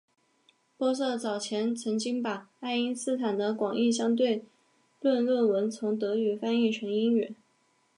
玻色早前曾经把爱因斯坦的广义相对论论文从德语翻译成英语。